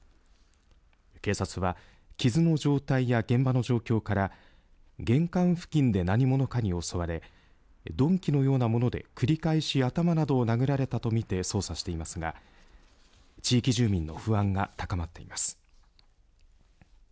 警察は傷の状態や現場の状況から玄関付近で何者かに襲われ鈍器のようなもので繰り返し頭などを殴られたと見て捜査していますが地域住民の不安が高まっています。